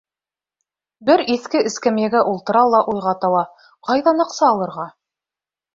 Бер иҫке эскәмйәгә ултыра ла уйға тала: ҡайҙан аҡса алырға?